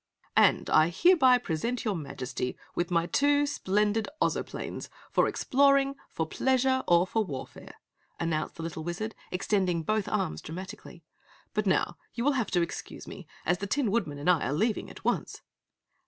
"And I hereby present your Majesty with my two, splendid Ozoplanes for exploring, for pleasure, or for warfare!" announced the little Wizard, extending both arms, dramatically. "But now you will have to excuse me, as the Tin Woodman and I are leaving at once!"